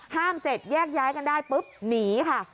เสร็จแยกย้ายกันได้ปุ๊บหนีค่ะ